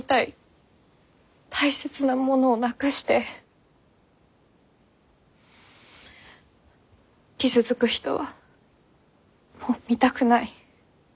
大切なものをなくして傷つく人はもう見たくない。